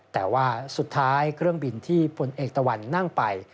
แต่ว่าสุดท้ายเครื่องบินที่พลเอกตะวันนั่งไป